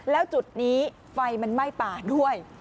แล้วจุดนี้ไฟมันไหม้ป่าด้วย